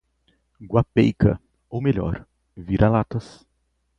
Guapeica, ou melhor, vira-latas